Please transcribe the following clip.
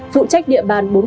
phụ trách địa bàn bốn quận